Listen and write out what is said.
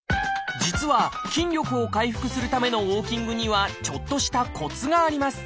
実は筋力を回復するためのウォーキングにはちょっとしたコツがあります。